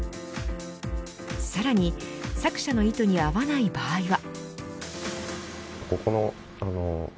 さらに作者の意図に合わない場合は。